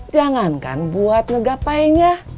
jangankan buat ngegapainya